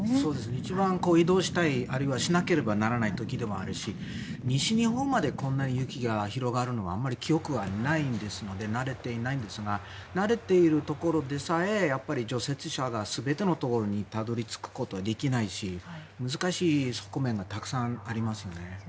一番移動したいあるいはしなければいけない時でもあるし西日本までこんなに雪が広がるのはあまり記憶がないですので慣れていないんですが慣れているところでさえ除雪車が全てのところにたどり着くことはできないし難しい側面がたくさんあります。